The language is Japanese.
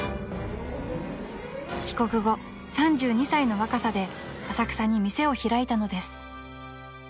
［帰国後３２歳の若さで浅草に店を開いたのです］